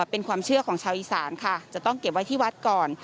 เป็นความเชื่อของชาวอีสานค่ะจะต้องเก็บไว้ที่วัดก่อน